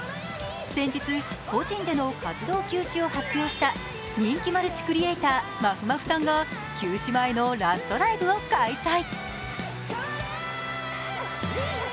先日、個人での活動休止を発表した、人気マルチクリエイター、まふまふさんが休止前のラストライブを開催。